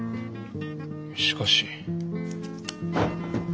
しかし。